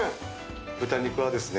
豚肉はですね